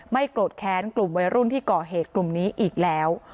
โกรธแค้นกลุ่มวัยรุ่นที่ก่อเหตุกลุ่มนี้อีกแล้ว